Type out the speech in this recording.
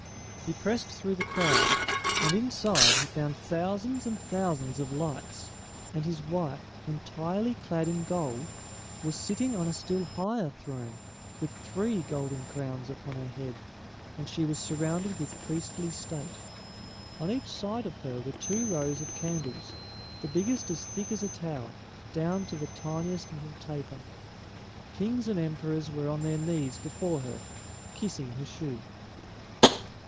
He pressed through the crowd, and inside he found thousands and thousand of lights, and his wife, entirely clad in gold, was sitting on a still higher throne, with three golden crowns upon her head, and she was surrounded with priestly state. On each side of her were two rows of candles, the biggest as thick as a tower, down to the tiniest little taper. Kings and emperors were on their knees before her, kissing her shoe.